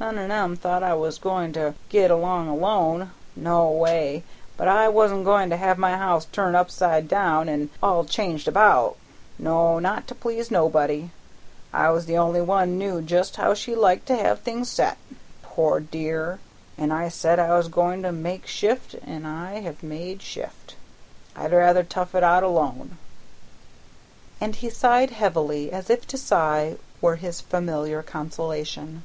None on 'em thought I was goin' to get along alone, no way, but I wa'n't goin' to have my house turned upsi' down an' all changed about; no, not to please nobody. I was the only one knew just how she liked to have things set, poor dear, an' I said I was goin' to make shift, and I have made shift. I'd rather tough it out alone." And he sighed heavily, as if to sigh were his familiar consolation.